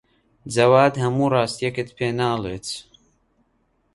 جەواد هەموو ڕاستییەکەت پێ ناڵێت.